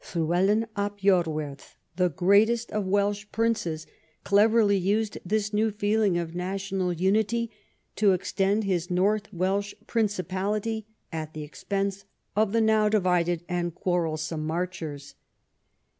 Llywelyn ab lorwerth, the greatest of Welsh princes, cleverly used this new feeling of national unity to extend his north Welsh principality at the expense of the now divided and quarrelsome Marchers.